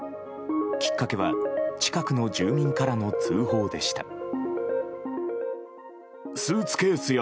きっかけは近くの住民からの通報でした。